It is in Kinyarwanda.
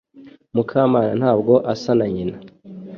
Mukamana ntabwo asa na nyina